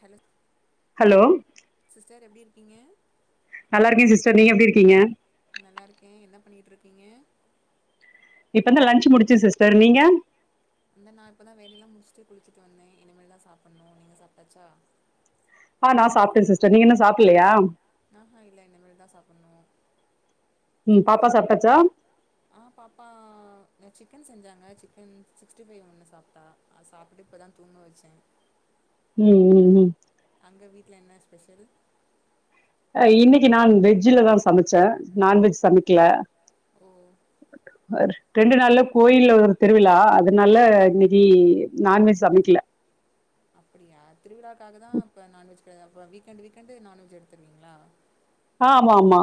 hello hello sister எப்டி இருக்கீங்க நல்லா இருக்கே சிஸ்டர் நீ எப்டி இருக்கீங்க நல்லா இருக்கே என்ன பண்ணிட்டுருக்கீங்க இப்பந்தா லன்ச்சு முடிச்சே சிஸ்டர் நீங்க இந்த நா இப்பதா வேலயெல்லா முடிஸ்ட்டு குளிச்சுட்டு வந்தே இனிமேல்தா சாப்பண்ணு நீங்க சாப்ட்டாச்சா ஆ நா சாப்பிட்டே சிஸ்டர் நீங்க இன்னு சாப்பில்லயா ஆஹா இல்ல இனிமேல்தா சாப்புண்ணோ ம் பாப்பா சாப்டாச்சா ஆ பாப்பா சிக்கன் செஞ்சாங்க சிக்கன் சிக்ஸ்டி ஃபைவ் ஒன்னு சாப்டா அது சாப்ட்டு இப்பதா தூங்க வச்சே ம் ம் ம் அங்க வீட்ல என்ன ஸ்பெஷல் இன்னிக்கி நான் வெஜ்லதா சமச்சே நான்வெஜ் சமைக்கில ரெண்டு நாள்ல கோயில்ல ஒரு திருவிழா அதனால இன்னிக்கி நான்வெஜ் சமைக்கில அப்புடியா திருவிழாக்காக தா அப்ப நான்வெஜ் கிடைது அப்ப வீக்கண்டு வீக்கண்டு நான்வெஜ் எடுத்திருவீங்ளா ஆமாமா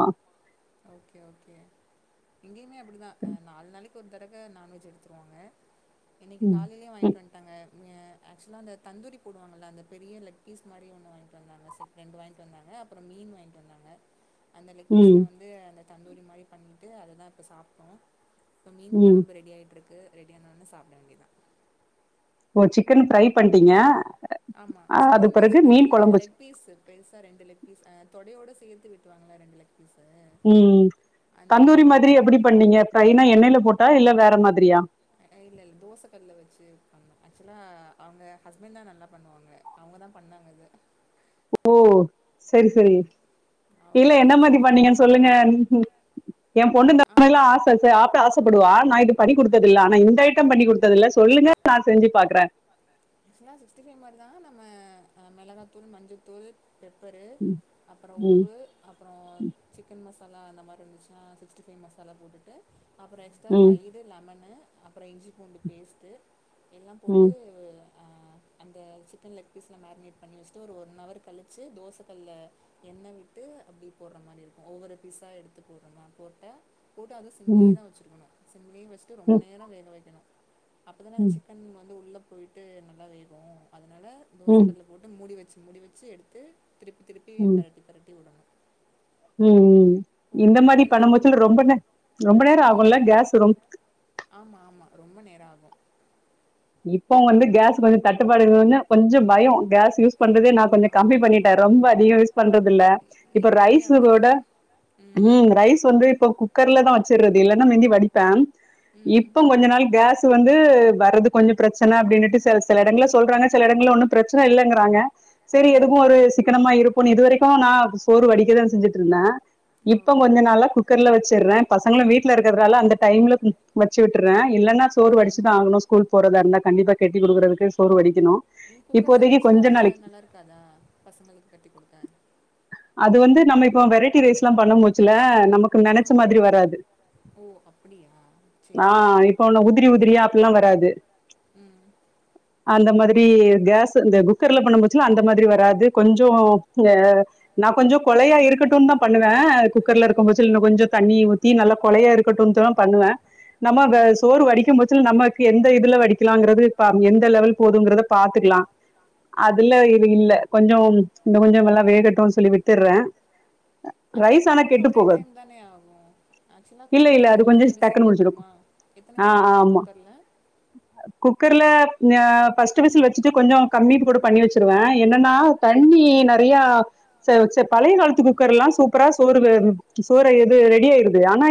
ஓகே ஓகே இங்கியுமே அப்டிதா அ நால் நாளைக்கு ஒர் தடவ நான்வெஜ் எடுத்துர்வாங்க இன்னிக்கி காலைலே வாய்ன்ட்டு வன் நாங்க ஆக்சுவலா அந்த தந்தூரி போடுவாங்கள அந்த பெரிய லெக் பீஸ் மாரி ஒன்னு வாய்ன்ட்டு வந்தாங்க செட் ரெண்டு வாய்ன்ட்டு வந்தாங்க அப்புறோ மீன் வாய்ன்ட்டு வந்தாங்க அந்த லெக்பீஸுல வந்து அந்த தந்தூரி மாரி பண்ணிட்டு அததா இப்ப சாப்ட்டோ இப்ப மீன் கொழம்பு ரெடி ஆய்ட்ருக்கு ரெடியான ஒன்னே சாப்ட வேண்டிதா ஓ சிக்கன் ஃப்ரை பண்ட்டீங்க ஆமா சிக்கன்னா சிக்கன் இல்ல லெக் பீஸு பெருசா ரெண்டு லெக் பீஸ் அ தொடயோடு சேத்து வெட்டுவாங்கள ரெண்டு லெக் பிஸு அந்த மாரி வெட்டி பண்ணீங்க ப்ரைனா எண்ணைல போட்டா இல்ல வேற மாதிரியா அ இல்லல்ல தோச கல்ல வச்சு ஆக்சுவலா அவங்க ஹஸ்பண்ட் தா நல்லா பண்ணுவாங்க அவங்க தா பண்ணாங்க இத ஓ செரி செரி இல்ல என்ன மாதி பண்ணிங்கன் சொல்லுங்க எ பொண்ணு இந்தமாரில ஆச தே ஆப்ட ஆசப்படுவா நா இது பண்ணி குடுத்ததில்ல ஆனா இந்த ஐட்டம் பண்ணி குடுத்ததில்ல சொல்லுங்க நா செஞ்சு பாக்றே ஆக்சுவல சிக்ஸ்டி ஃபை மாரி தா நம்ம மிளகாத்தூள் மஞ்சத்தூள் பெப்பரு அப்பறோ உப்பு அப்றோ சிக்கன் மசாலா அந்த மாரி இர்ந்துச்சுனா சிக்ஸ்ட்டி ஃபைவ் மசாலா போட்டுட்டு அப்பற எக்ஸ்ட்ரா தயிரு லெமனு அப்பற இஞ்சி பூண்டு பேஸ்ட்டு எல்லா போட்டு அ அந்த சிக்கன் லெக் பீஸ்ல மேரினேட் பண்ணி வச்ட்டு ஒரு ஒன்னவர் கழிச்சு தோச கல்ல எண்ண விட்டு அப்டி போடுற மாரி இருக்கு ஒவ்வொரு பீஸா எடுத்து போட்ற மா போட்டு போட்டு அத சிம்லேதா வெச்சிர்க்கணு சிம்லே வச்ட்டு ரொம்ப நேரோ வேக வெக்கணு அப்பதான அந் சிக் கன் வந்து உள்ள போய்ட்டு நல்லா வேகு அதனால தோச கல்ல போட்டு மூடி வச்சு மூடி வச்சு எடுத்து திருப்பி திருப்பி பெரட்டி பெரட்டி வுடனு ம் ம் இந்த மாதி பண்ண மோச்சுல ரொம்ப நே ரொம்ப நேர ஆகுல கேஸ் ரொம் ஆமா ஆமா ரொம்ப நேர ஆகு இப்போ வந்து கேஸ் கொஞ்ச தட்டுப்பாடு இர்ந்துதுன்ன கொஞ்ச பயோ கேஸ் யூஸ் பண்றதே நா கொஞ்சோ கம்மி பண்ணிட்டே ரொம்ப அதிக யூஸ் பண்றதில்ல இப்ப ரைசுகோட ம் ரைஸ் வந்து இப்ப குக் குக்கர்ல தா வச்சிர்றது இல்லனா மிந்தி வடிப்ப இப்போ கொஞ்ச நாள் கேஸ் வந்து வர்றது கொஞ்ச பிரச்சன அப்டினுட்டு செல் செல எடங்கில சொல்றாங்க சில இடங்கள்ல ஒன்னு பிரச்சன இல்லங்கிறாங்க செரி எதுக்கு ஒரு சிக்கனமா இருப்போனு இது வரைக்கு நா சோறு வடிக்கதா செஞ்சிட்ருந்த இப்போ கொஞ்ச நாளா குக்கர்ல வெச்சிர்ற பசங்ளு வீட்ல இருக்கறதால அந்த டைம்ல வச்சு விட்டுறே இல்லனா சோறு வடிச்சுதா ஆகுணு ஸ்கூல் போறதா இர்ந்தா கண்டிப்பா கெட்டி குடுக்கறதுக்கு சோறு வடிக்கிணு இப்போதைக்கு கொஞ்ச நாளைக் காதா பசங்களுக் கட்டி குடுத்தே அது வந்து நம்ம இப்போ வெரைட்டி ரைஸ்ல்லா பண்ணும் போச்சுல நமக் கு நெனச்ச மாதிரி வராது ஆ இப் போனு உதிரி உதிரியா அப்பில்லா வராது அந்த மாதிரி கேஸ் இந்த குக்கர்ல பண்ணும் போச்சுல்ல அந்த மாதிரி வராது கொஞ்சோ அ நா கொஞ்சோ கொழையா இருக்கட்டுன் தா பண்ணுவே குக்கர்ல இருக்கும் போச்சில இன்னு கொஞ்சோ தண்ணி ஊத் தி நல்லா கொழையா இருக்கட்டுன்டு தா பண்ணுவே நம்ம வெ சோறு வடிக்கும் போச்சில் நம்ம கு எந்த இதுல வடிக்கலாங்றது பா எந்த லெவல் போதுங்கறத பாத்துக்குலா அதுல இது இல்ல கொஞ்சோ இன்னு கொஞ்சோ நல்லா வேகட்டு சொல்லி விட்டுறே ஆனா ரெண்டுக்குமே ஒரே டைம் தானே ஆகு ஆக்சுவலா குக்கர்லே மூணு விசில் வரணுமா எத்தன விசில் விடணு குக்கர்ல குக்கர்ல ய ஃபர்ஸ்ட்டு விசில் வச்சுட்டு கொஞ்சோ கம்மி கூட பண்ணி வச்சிருவே என்னன்னா தண்ணி நெறயா ச ச பழைய காலத்து குக்கர்லா சூப்பரா சோறு வ சோறு இது ரெடியாயிருது து ஆனா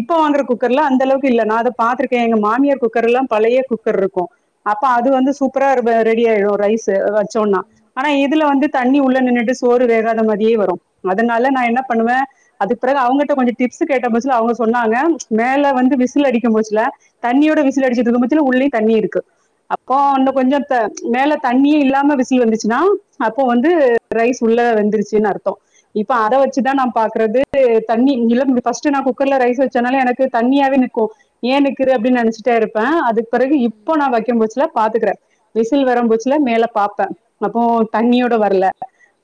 இப்ப வாங்குற குக் கர்ல அந்த அளவுக்கு இல்ல நா அத பாத்திருக்கே எங்க மாமியார் குக்கர் எல்லா பழைய குக்கர் இருக்கு அப்போ அது வந்து சூப் சூப்பரா வ ரெடி ஆயிடு ரைஸூ வச்சோனா ஆனா இதுல வந்து தண்ணி உள்ள நின்னுட்டு சோறு வேகாத மாதியே வரு அதனால நா என்ன பண்ணுவே அதுக்கு பிறகு அவங்கட்ட கொஞ்சோ டிப்ஸ் கேட்ட போச்சுல அவங்க சொன்னாங்க மேல வந்து விசில் அடிக்கும் போச்சில தண்ணியோட விசில் அடிச்சிட்டு இருக்கும் போச்சில உள்ளயு தண்ணி இருக்கு அப்போ இன்னு கொஞ்சோ த மேல தண்ணியே இல்லாம விசில் வந்துச்சுன்னா அப்போ வந்து ரைஸ் உள்ள வெந்துருச்சுனு அர்த்தோ இப்ப அத வச்சுதா நா பாக்குறது தண்ணி இல்ல ஃபஸ்ட்டு நா குக்கர்ல ரைஸ் வச்சோனாலே எனக்கு தண்ணியாவே நிக்கு ஏ நிக்கிது அப்டின் நெனச்சிட்டே இருப்பே அதுக்கு பிறகு இப்போ நா வைக்கும் போச்சுல பாத்துக்குறே விசில் வரம்போச்சுல மேல பாப்பே அப்போ தண்ணியோட வரல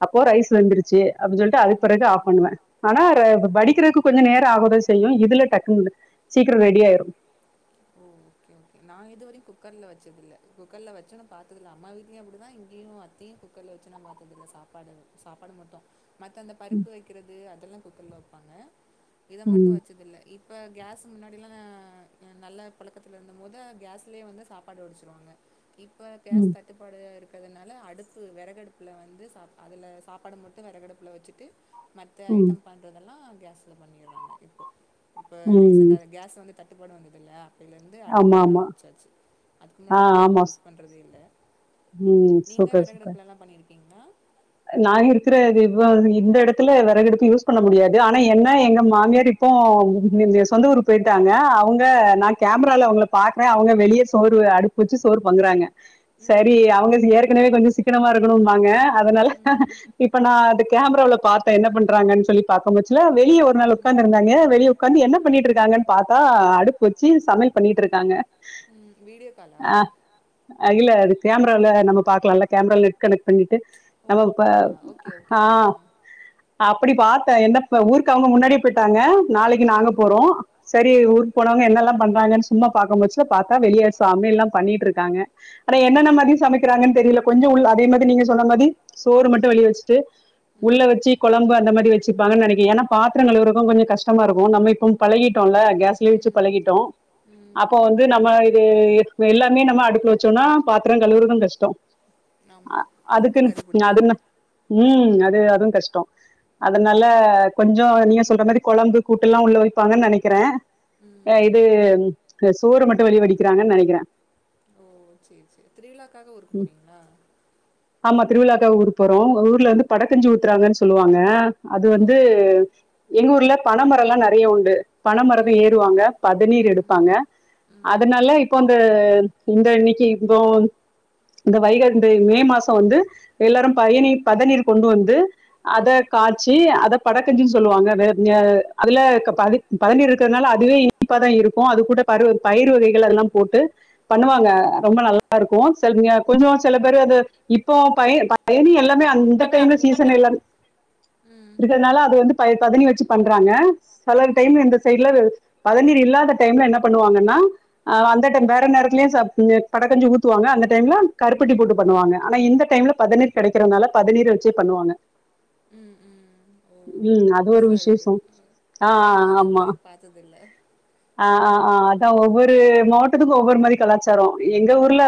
அப்போ ரைஸ் வெந்துருச்சு அப்டி சொல்ட்டு அதுக்கு பெறகு ஆஃப் பண்ணுவே ஆனா ர வடிக்கிறக்கு கொஞ்சோ நேரோ ஆகதா செய்யு இதுல டக்குனு சீக்கிரோ ரெடியாயிரு ஓ ஓகே நா இதுவரை குக்கர்ல வச்சதில்ல குக்கர்ல வச்சு நா பாத்ததுல்ல அம்மா வீட்லயு அப்டிதா இங்கயு அத் தையு குக்கர்ல வச்சு நா பாத்ததில்ல சாப்பாடு சாப்பாடு மட்டு மத்த அந்த பருப்பு வைக்குறது அதெல்லா குக்கர்ல் வப்பாங்க இத மட்டு வச்சதில்ல இப் ப கேஸ்ஸு முன்னாடிலா அ நல்ல பழக்கத்துல அந்த மொத கேஸ்லே வந்து சாப்பாடு வடிச்சிருவாங்க இப்ப கேஸ் தட் தட்டுப்பாடு இருக்கிறதுனால அடுப்பு வெறகடுப்புல வந்து சாப் அதுல சாப்பாடு மட்டு வெறகடுப்புல வச்சுட்டு மத்த ஐட்டம் பண்றதெல்லா கேஸ்ல பண்ணிறாங்க இப்போ இப்ப ரீசண்டா கேஸ் வந்து தட்டுப்பாடு வந்ததுல்ல அப்பயில இருந்து அடுப்பு ஆரம்பிச்சாச்சு அதுக்கு முன்னாடில்லா அடுப்பு யூஸ் பண்றதே இல்ல நீங்க வெறகடுப்புலல்லா பண்ணிருக்கீங்ளா நாங் இருக்குற இவ்வா இந்த இடத்துல வெறகெடுப்பு யூஸ் பண்ண முடியாது ஆனா என்ன எங்க மாமியார் இப் போ எ எ சொந்த ஊர் போயிட்டாங்க அவங்க நா கேமரால அவங்கள பாத்தே அவங்க வெளிய சோறு அடுப் வச்சி சோறு பொங்குறாங்க சரி அவங்க ஏற்கனவே கொஞ்சோ சிக்கனமா இருக்கணும்பாங்க அதனால இப்ப நா அது கேமராவுல பாத்தே என்ன பண்றாங்கன்னு சொல்லி பாக்க முச்சல வெளிய ஒரு நாள் உக்கார்ந்திருந்தாங்க வெளிய உக்காந்தி என்ன பண்ணிட்ருக்காங்கன் பாத்தா அடுப்பு வச்சு சமையல் பண்ணிட்ருக்காங்க ம் வீடியோ காலா இல்ல அது கேமராவுல நம்ம பாக்கலாலீல கேமரால நெட் கனெக்ட் பண்ணிட்டு நம்ம இப்ப ஆ அப்புடி பாத்தே என்ன இப்ப ஊருக்கு அவுங்க முன்னாடியே போய்ட்டாங்க நாளைக்கு நாங்க போறோ செரி ஊருக்கு போன் வர்வங்க என்னல்லா பண்றாங்கன்னு சும்மா பாக்க முச்சில பாத்தா வெளிய சமையல்லா பண்ணிட்ருக்காங்க ஆனா என்னென்ன மாரி சமைக்கிறாங்கன்னு தெரியல கொஞ்சோ உள் அதே மாரி நீங்க சொன்ன மாரி சோறு மட்டு வெளிய வச்சுட்டு உள்ள வச்சு கொழம்பு அந்த மாரி வெச்சுப்பாங்க நெனக்கே ஏன்னா பாத்திரங்கள் கழுவுறக்கு கொஞ்சோ கஷ்டமா இருக்கு நம்ம இப்போம் பழகிட்டோல்ல கேஸ்லயு வச்சு பழகிட்டோ அப்போ வந்து நம்ம இது இ எல்லாமே நம்ம அடுப்புல வச்சோனீனா பாத்தரோ கழுவுறுது கஷ்டோ அ அதுக்குன் அதுன் ம் அது அதுவு கஷ்டோ அதுனால கொஞ்சோ நீங்க சொல்ற மாரி கொழம்பு கூட்டு எல்லா உள்ள வெப்பாங்கன்னு நெனைக்கிறே எ இது சோறு மட்டு வெளிய வடிக்கிறாங்கன்னு நெனக்கிறே ஓ சேர் சேர் திருவிழாக்காக ஊருக்கு போறீங்களா திருவிழாக்காக ஊருக்கு போறோ உங்க ஊர்ல வந்து படக்கஞ்சி ஊத்துறாங்கன்னு சொல்லுவாங்க அது வந்து எங்க ஊர்ல பனமரல்லா நெறைய உண்டு பனமரம் ஏறுவாங்க பதநீர் எடுப்பாங்க அதுனால இப்போ அந்த இந்த இன்னிக்கு இதோ இந்த வைக இந்த மே மாசோ வந்து எல்லாரு பயனி பதநீர் கொண்டு வந்து அத காச்சி அத படக்கஞ்சின்னு சொல்லுவாங்க வேற அதுல கப்பா பத பதனீர் இருக்குறதுனால அதுவே இனிப்பாதா இருக்கு அது கூட பரு பயிர் வகைகள் எல்லா போட்டு பண்ணுவாங்க ரொம்ப நல்லா இருக்கு செல கொஞ்சோ சில பேரு அது இப்போ பய் பயனி எல்லாமே அந்த டைம்ல சீசன் எல்லாது இருக்குறதுனால அது வந்து ப பதனி வச்சு பண்றாங்க செல டைமு இந்த சைட்ல பதனீர் இல்லாத டைம்ல என்ன பண்ணுவாங்கன்னா அ அந்த டைம் வேற நேரத்துலயு சாப் படைக்கஞ்சி ஊத்துவாங்க அந்த டைம்ல கருப்பட்டி போட்டு பண்ணுவாங்க ஆனா இந்த டைம்ல பதனீர் கெடைக்குறனால பதனீர வச்சே பண்ணுவாங்க ம் ம் ம் அது ஒரு விசேஷோ ஆ ஆ ஆமா ஆ ஆ ஆ அதா ஒவ்வொரு மாவட்டத்துக்கு ஒவ்வொரு மாரி கலாச்சாரோ எங்க ஒரு ல்ல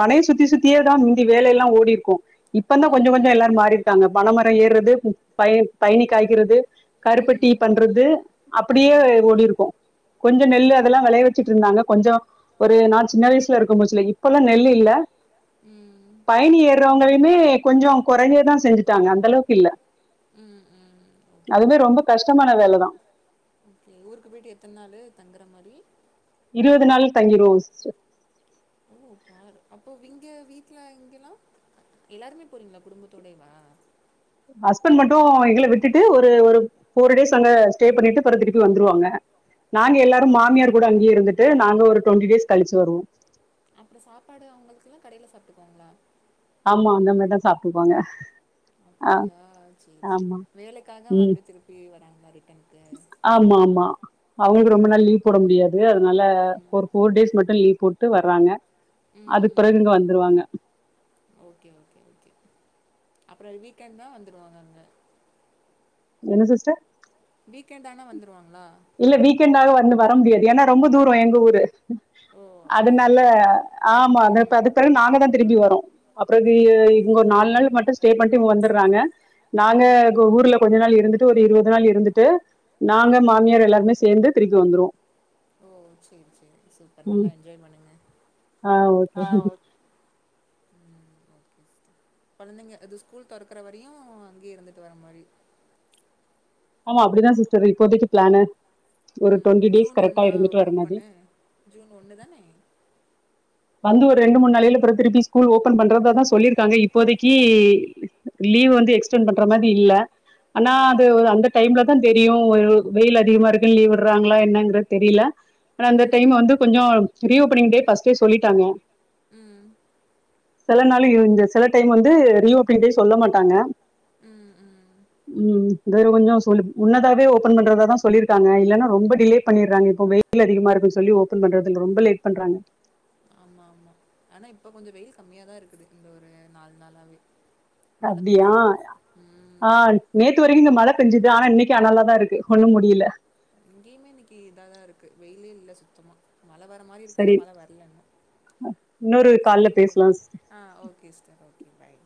பனைய சுத்தி சுத்தியே தா முந்தி வேலையெல்லா ஓடி க்கு இப்ப தா கொஞ்சோ கொஞ்சோ எல்லாரு மாறி இருக்காங்க பனமரோ ஏறுறது ப பய்னி காய்க்கிறது கருப்பட்டி பண்றது அப்டியே ஓடிருக்கு கொஞ்ச நெல்லு அதெல்லா வெளைய வச்சுட்ருந்தாங்க கொஞ்சோ ஒரு நான் சின்ன வயசுல இருக்க முட்ச்சுல இப்பல்லா நெல்லு இல்ல ம் ம் இருக்குறவங்களையுமே கொஞ்சோ கொறைஞ்சே தா செஞ்சுட்டாங்க அந்த அளவுக்கு இல்ல ம் ம் அது மாரி ரொம்ப கஷ்டமான வேலதா ஓகே ஒர் ஊருக்கு பொயிட்டு எத்தன் நாளு தங்குற மாரி இருவது நாள் தங்கிருவோ சிஸ்டர் ஓ பாரு அப்போ இங்க வீட்ல இங்கெல்லா எல்லாருமே போறீங்களா குடும்பத்தோடே வா ஹஸ்பண்ட் மட்டு எங்கள விட்டுட்டு ஒரு ஒரு போர் டேஸ் அங்க ஸ்டே பண்ணிட்டு அப்றோ திருப்பி வந்துவாங்க நாங்க எல்லாரு மாமியார் கூட அங்கேய இருந்துட்டு நா ஒரு டுவெண்டி டேஸ் கழிச்சு வருவோ அப்புற சாப்பாடு அவங்களுக்கெல்லா கடையில் சாப்ட்டுவாங்களா ஆமா அந்த மாரிதா சாப்ட்டுக்குவாங்க அப்புடியா சரி சரி வேலைக்காக மறுபடியு திருப்பி வராங்களா ரிட்டன்க்கு ஆமா ஆமா அவங்களுக்கு ரொம்ப நாள் லீவ் போட முடியாது அதனால ஒரு ஃபோர் டேஸ் மட்டு லீவ் போட்டு வர்றாங்க அது பிறகு இங்க வந்துருவாங்க ஓகே ஓகே ஓகே அப்புறோ வீக்கெண்ட் தா வந்துடுவாங்க அங்க என்ன சிஸ்டர் வீக்கெண்ட்டானா வந்துருவாங்களா இல்ல வீக்கெண்டானா வந்து வர முடியாது ஏன்னா ரொம்ப தூரோ எங்க ஊரு அதுனால ஆமா இப்ப அது பெறகு நாங்க தா திரும்பி வரோ அப்புற இவங்கொ நாலு நாள் மட்டும் ஸ்டே பண்ணி வந்துடுறாங்க நாங்க ஊர்ல கொஞ்ச நாள் இருந்துட்டு ஒரு இருவது நாள் இருந்துட்டு நாங்க மாமியார் எல்லாருமே சேந்து திரும்பி வந்துருவோ ஓ சேரி சேரி சூப்பர் நல்லாஜாய் பண்ணுங்க கொழந்தைங்க அது ஸ்கூல் தொறக்கற வரையு அங்கேயே இருந்துட்டு வர மாரி ஆமா அப்டிதா சிஸ்டர் இப்போதைக்கு பிளானு ஒரு டுவெண்ட்டி டேஸ் கரெக்டா இருந்துட்டு வர மாதி ஜூன் ஒன்னுதானே வந்து ஒரு ரெண்டு மூணு நாளையில ப்றோ திருப்பி ஸ்கூல் ஓபன் பண்றத தா சொல்லிருக்காங்க இப்போதைக்கி லீவ் வந்து எக்ஸ்டெண்ட் பண்ற மாரி இல்ல ஆனா அது அந்த டைம்ல தா தெரியு வெயில் அதிகமா இருக்குன்னு லீவ் விடுறாங்களா என்னங்கிறது தெரியல ஆனா இந்த டைம் வந்து கொஞ்சோ ரீஓபனிங் டே பஸ்ட்டே சொல்லிட்டாங்க சில நாள் இந்த சில டைம் வந்து ரிஓபனிங் டே சொல்ல மாட்டாங்க ம் ம் வேற கொஞ்ச சொல்லி முன்னதாவே ஓபன் பண்றதா தா சொல்லிருாக்காங்க இல்லன்னா ரொம்ப டிலே பண்ணிற்றாங்க இப்பவே வெயில் அதிகமா இருக்குன்னு சொல்லி ஓபன் பண்றது ரொம்ப லேட் பண்றாங்க ஆமா ஆமா ஆனா இப்ப கொஞ்ச வெயில் கம்மியா தா இருக்குது இந்த ஒரு நாள் நாளாவே மழை பேஞ்சுட்டுருக்கு ம் நேத்து வரைக்கு இந்த மழை பெஞ்சது ஆனா இனைக்கு அனாலாதா இருக்கு ஒண்ணு முடியில இங்கியுமே இன்னக்கி இதாதா இருக்கு வெயிலே இல்ல சுத்தமா மழை வர மாரி இருக்கு ஆனா மழை வரல இன்னு சேரி ஓகே ஆ okay sister okay பாய்